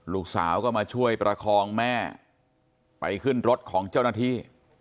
ลูกสาวก็มาช่วยประคองแม่ไปขึ้นรถของเจ้าหน้าที่